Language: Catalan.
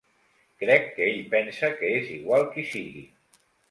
Crec que ell pensa que és igual qui sigui.